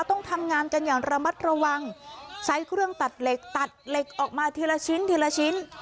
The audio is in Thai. ต้องทำงานกันอย่างระมัดระวังใช้เครื่องตัดเหล็กตัดเหล็กออกมาทีละชิ้นทีละชิ้น